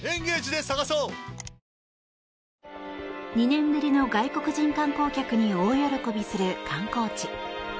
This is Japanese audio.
２年ぶりの外国人観光客に大喜びする観光地。